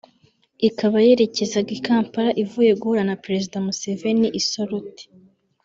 ikaba yerekezaga i Kampala ivuye guhura na perezida Museveni i Soroti